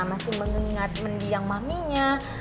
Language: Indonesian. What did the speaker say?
masih mengingat mendiang maminya